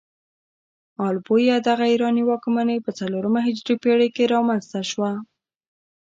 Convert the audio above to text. ال بویه دغه ایراني واکمنۍ په څلورمه هجري پيړۍ کې رامنځته شوه.